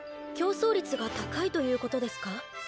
競争率が高いということですか？